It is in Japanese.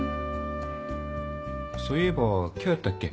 そういえば今日やったっけ？